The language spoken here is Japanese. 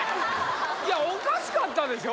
いやおかしかったでしょ？